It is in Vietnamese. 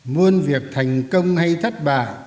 muôn việc thành công hay thất bại